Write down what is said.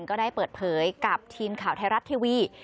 ก็ได้เปิดเผยกับทีมข่าวไทยรัฐทีวี